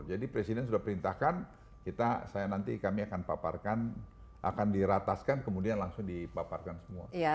jadi presiden sudah perintahkan kita saya nanti kami akan paparkan akan dirataskan kemudian langsung dipaparkan semua